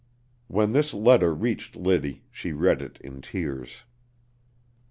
When this letter reached Liddy she read it in tears.